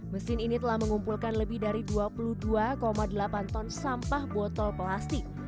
mesin ini telah mengumpulkan lebih dari dua puluh dua delapan ton sampah botol plastik